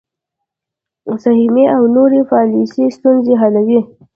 سهمیې او نورې پالیسۍ ستونزه حلوي.